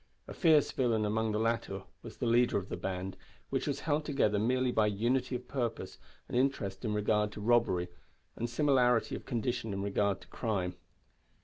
A fierce villain among the latter was the leader of the band, which was held together merely by unity of purpose and interest in regard to robbery, and similarity of condition in regard to crime.